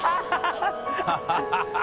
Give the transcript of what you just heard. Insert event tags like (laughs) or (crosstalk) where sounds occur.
ハハハ (laughs)